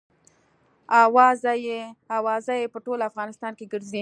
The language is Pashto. اوازه یې په ټول افغانستان کې ګرزي.